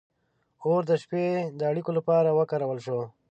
• اور د شپې د اړیکو لپاره وکارول شو.